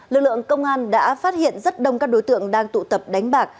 lực lượng công an đã phát hiện rất đông các đối tượng đang tụ tập đánh bạc